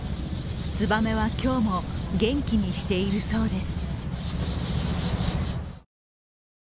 つばめは今日も元気にしているそうです。